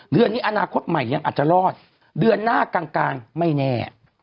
เดือนนี้อนาคตใหม่ยังอาจจะรอดเดือนหน้ากลางไม่แน่